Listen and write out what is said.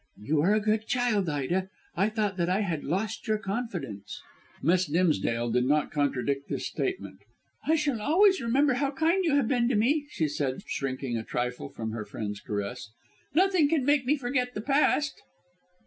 "You are a good child, Ida. I thought that I had lost your confidence." Miss Dimsdale did not contradict this statement. "I shall always remember how kind you have been to me," she said, shrinking a trifle from her friend's caress. "Nothing can make me forget the past."